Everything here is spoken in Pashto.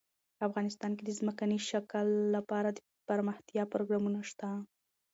افغانستان کې د ځمکنی شکل لپاره دپرمختیا پروګرامونه شته.